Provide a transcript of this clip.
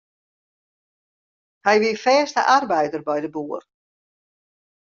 Hy wie fêste arbeider by de boer.